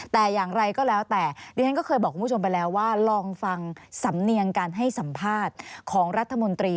แต่อย่างไรก็แล้วแต่ดิฉันก็เคยบอกคุณผู้ชมไปแล้วว่าลองฟังสำเนียงการให้สัมภาษณ์ของรัฐมนตรี